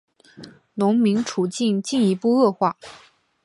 农民处境进一步恶化。